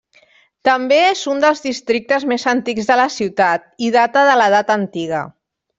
També és un dels districtes més antics de la ciutat, i data de l'edat antiga.